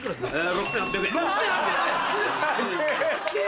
６８００円⁉高ぇ。